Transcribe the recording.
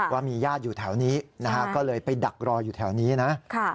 ว่ามีญาติอยู่แถวนี้นะฮะก็เลยไปดักรออยู่แถวนี้นะ